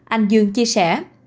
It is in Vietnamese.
anh dương chia sẻ